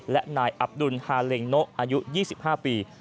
และนายอับดุลฮาเล็งโนะอายุ๒๕ปี